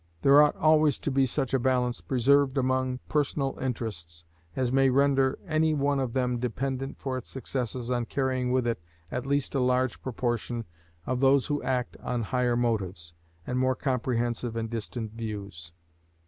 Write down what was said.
There ought always to be such a balance preserved among personal interests as may render any one of them dependent for its successes on carrying with it at least a large proportion of those who act on higher motives, and more comprehensive and distant views.